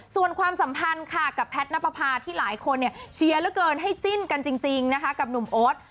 ส่วนความสัมพันธ์ค่ะกับแพทย์นับประพาที่หลายคนเนี่ยเชียร์เหลือเกินให้จิ้นกันจริงนะคะกับหนุ่มโอ๊ต